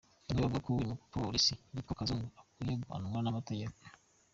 Bamwe bavuga ko uyu mupolisi witwa Kazungu akwiye guhanwa n’amategeko.